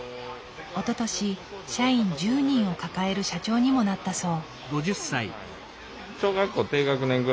おととし社員１０人を抱える社長にもなったそう。